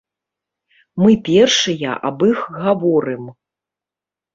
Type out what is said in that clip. Мы першыя аб іх гаворым.